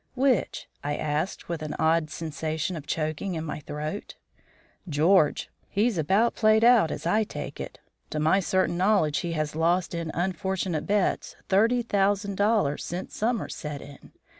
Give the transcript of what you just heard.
"Which?" I asked, with an odd sensation of choking in my throat. "George. He's about played out, as I take it. To my certain knowledge he has lost in unfortunate bets thirty thousand dollars since summer set in.